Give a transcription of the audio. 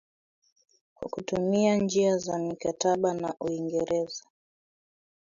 Kwa kutumia njia za mikataba na Uingereza